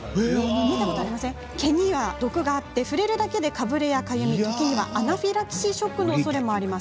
毛には毒があり触れるだけでかぶれやかゆみ、時にはアナフィラキシーショックのおそれもあるんです。